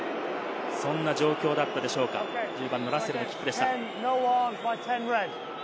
そんな状況だったでしょうか、１０番のラッセルのキックでした。